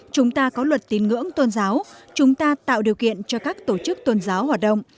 chúng ta có luật tín ngưỡng tôn giáo chúng ta tạo điều kiện cho các tổ chức tôn giáo hoạt động